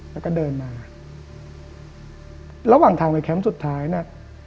แล้วก็เดินมาระหว่างทางไปแคมป์สุดท้ายเนี่ย